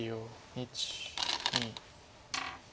１２。